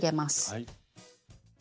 はい。